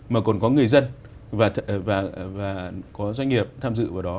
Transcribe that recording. mà còn có người dân và có doanh nghiệp tham dự vào đó